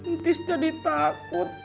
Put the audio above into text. ntis jadi takut pak